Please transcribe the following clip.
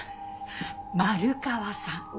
丸川さん。